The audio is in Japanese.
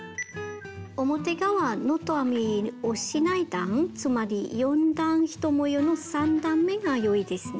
表側ノット編みをしない段つまり４段１模様の３段めが良いですね。